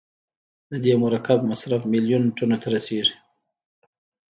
د دې مرکب مصرف میلیون ټنو ته رسیږي.